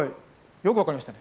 よく分かりましたね。